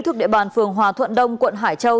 thuộc địa bàn phường hòa thuận đông quận hải châu